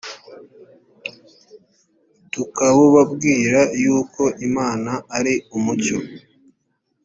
tukabubabwira yuko imana ari umucyo